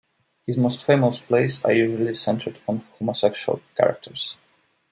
His most famous plays are usually centered on homosexual characters.